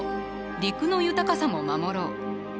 １５陸の豊かさも守ろう。